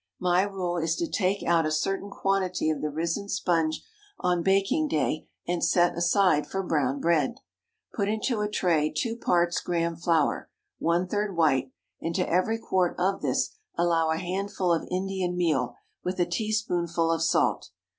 My rule is to take out a certain quantity of the risen sponge on baking day, and set aside for brown bread. Put into a tray two parts Graham flour, one third white, and to every quart of this allow a handful of Indian meal, with a teaspoonful of salt.